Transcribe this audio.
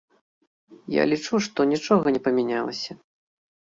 Я лічу, што нічога не памянялася.